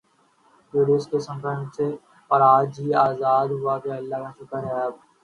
Covid کے symptoms تھے اج ہی ازاد ہوا ہوں اللہ کا شکر ہے اب